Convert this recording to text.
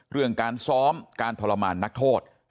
เรื่องการซ้อมการทรมานนักโทษ